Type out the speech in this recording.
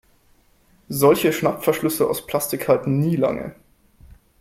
Solche Schnappverschlüsse aus Plastik halten nie lange.